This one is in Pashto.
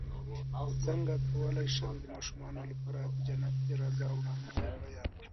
څنګه کولی شم د ماشومانو لپاره د جنت د رضا وړاندې بیان کړم